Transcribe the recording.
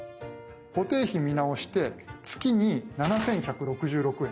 固定費見直して月に７，１６６円。